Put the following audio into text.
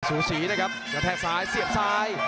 สูสีนะครับกระแทกซ้ายเสียบซ้าย